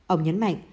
ông nhấn mạnh